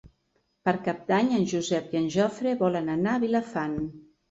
Per Cap d'Any en Josep i en Jofre volen anar a Vilafant.